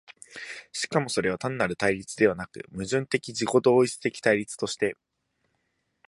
しかもそれは単なる対立ではなく、矛盾的自己同一的対立として、